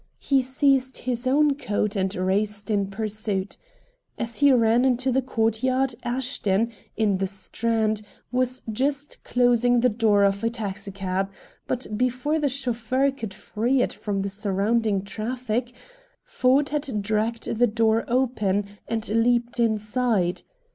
He seized his own coat and raced in pursuit. As he ran into the court yard Ashton, in the Strand, was just closing the door of a taxicab, but before the chauffeur could free it from the surrounding traffic, Ford had dragged the door open, and leaped inside.